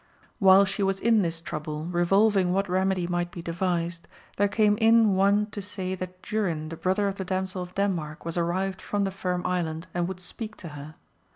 While she was in this trouble, revolving what remedy might be devised, there came in one to say that Durin the brother of the damsel of Denmark was arrived from the Firm Island and would speak to her.